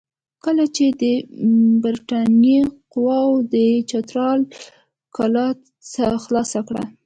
کله چې د برټانیې قواوو د چترال کلا خلاصه کړه.